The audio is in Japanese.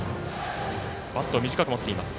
バットを短く持っています。